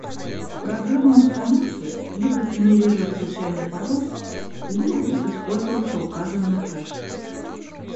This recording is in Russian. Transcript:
Программа установки либо сгенерирует случайный пароль, либо будет использоваться указанный хэш